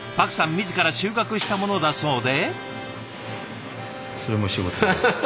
自ら収穫したものだそうで。